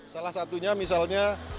salah satunya misalnya